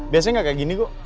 biasanya gak kayak gini kok